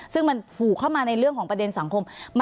ซึ่งมันผูกเข้ามาในเรื่องของประเด็นสังคม